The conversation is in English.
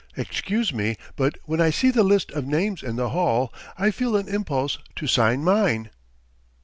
... Excuse me, but when I see the list of names in the hall I feel an impulse to sign mine.